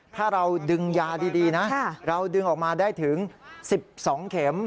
ถ้าเราดึงยาดีนะเราดึงออกมาได้ถึง๑๒เข็ม